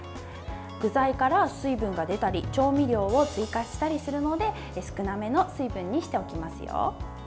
具材から水分が出たり調味料を追加したりするので少なめの水分にしておきますよ。